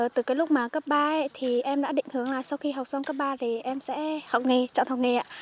từ cái lúc mà cấp ba thì em đã định hướng là sau khi học xong cấp ba thì em sẽ học nghề chọn học nghề ạ